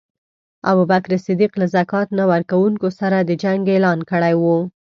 ابوبکر صدیق له ذکات نه ورکونکو سره د جنګ اعلان کړی وو.